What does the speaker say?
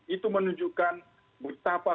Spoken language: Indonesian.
itu menunjukkan betapa